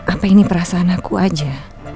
apa ini perasaan aku aja